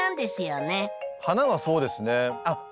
花はそうですね。